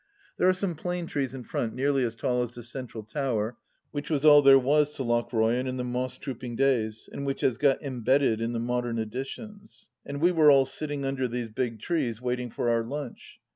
There are some plane trees in front, nearly as tall as the central tower, which was all there was to Lochroyan in the moss trooping days, and which has got embedded in the modem additions. And we were all sitting under these big trees waiting for our lunch.